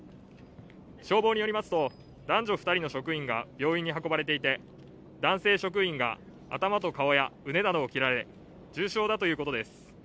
消防によりますと男女２人の職員が病院に運ばれていて男性職員が頭と顔や胸などを切られ、重傷だということです。